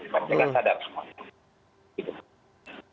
jadi mereka sadar semua